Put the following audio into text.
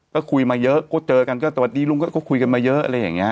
ก็คุยมาเยอะก็เจอกันแต่วันนี้ลุงพลก็คุยกันมาเยอะ